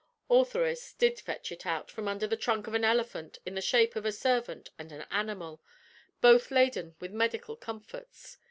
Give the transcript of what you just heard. Ortheris did "fetch ut out" from under the trunk of an elephant in the shape of a servant and an animal, both laden with medical comforts.